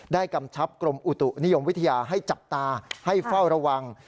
กำชับกรมอุตุนิยมวิทยาให้จับตาให้เฝ้าระวัง